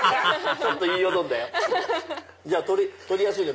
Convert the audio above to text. ちょっと言いよどんだよ。